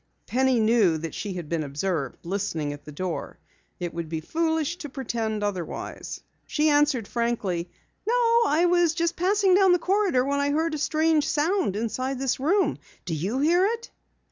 Penny knew that she had been observed listening at the door. It would be foolish to pretend otherwise. She answered frankly: "No, I was passing through the corridor when I heard a strange sound in this room. Do you hear it?"